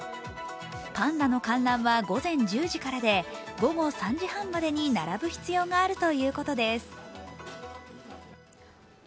パンダの観覧は午前１０時からで午後３時半までに並ぶ必要があるということです。